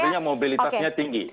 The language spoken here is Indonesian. artinya mobilitasnya tinggi